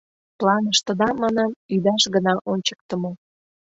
Планыштыда, манам, ӱдаш гына ончыктымо.